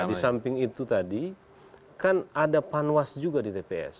di samping itu tadi kan ada panwas juga di tps